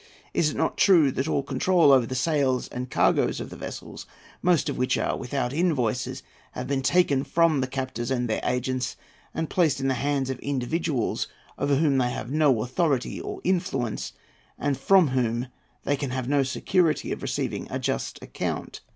Is it not true that all control over the sales and cargoes of the vessels, most of which are without invoices, have been taken from the captors and their agents and placed in the hands of individuals over whom they have no authority or influence, and from whom they can have no security of receiving a just account?